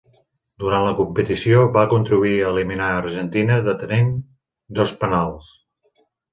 Durant la competició, va contribuir a eliminar a Argentina detenint dos penals.